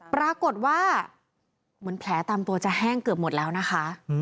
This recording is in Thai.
ปรากฏว่าเหมือนแผลตามตัวจะแห้งเกือบหมดแล้วนะคะ